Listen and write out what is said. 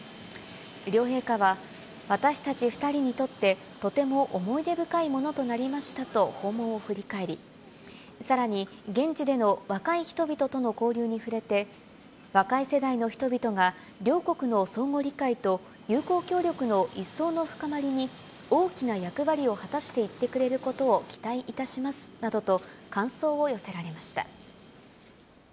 両陛下は、私たち２人にとって、とても思い出深いものとなりましたと、訪問を振り返り、さらに現地での若い人々との交流に触れて、若い世代の人々が両国の相互理解と友好協力の一層の深まりに大きな役割を果たしていってくれることを期待いたしますなどと、感想を寄せられました。